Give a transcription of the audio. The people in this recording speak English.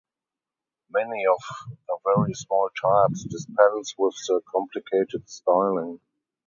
Many of the very small types dispense with the complicated styling.